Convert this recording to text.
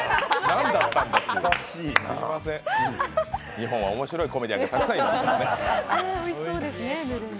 日本は面白いコメディアンがたくさんいますからね。